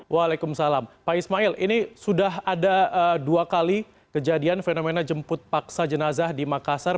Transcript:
waalaikumsalam pak ismail ini sudah ada dua kali kejadian fenomena jemput paksa jenazah di makassar